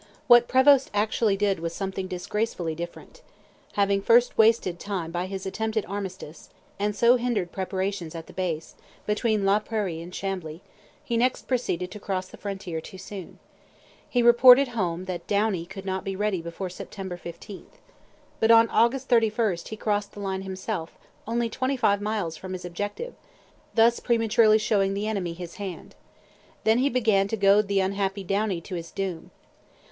What Prevost actually did was something disgracefully different. Having first wasted time by his attempted armistice, and so hindered preparations at the base, between La Prairie and Chambly, he next proceeded to cross the frontier too soon. He reported home that Downie could not be ready before September 15. But on August 31 he crossed the line himself, only twenty five miles from his objective, thus prematurely showing the enemy his hand. Then he began to goad the unhappy Downie to his doom.